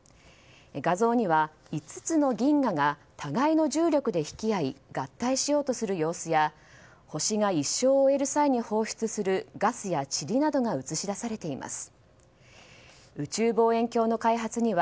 画像には５つの銀河が互いの重力で引き合い合体しようとする様子や星が一生を終える際に放出するガスやちりなどが映し出されています。